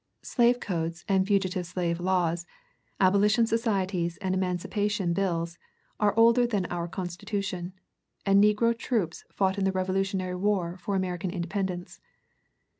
Slave codes and fugitive slave laws, abolition societies and emancipation bills, are older than our Constitution; and negro troops fought in the Revolutionary war for American independence.